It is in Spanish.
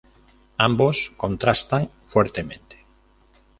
Ambos contrastan fuertemente.